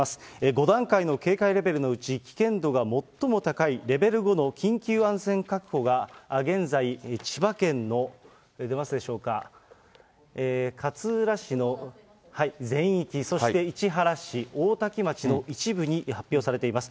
５段階の警戒レベルのうち、危険度が最も高いレベル５の緊急安全確保が現在、千葉県の、出ますでしょうか、勝浦市の全域、そして市原市、大多喜町の一部に発表されています。